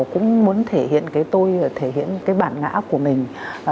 cũng muốn thể hiện cái tôi là thể hiện cái bản ngã của mình